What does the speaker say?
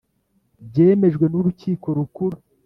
Byemejwe n‘urukiko rukuru.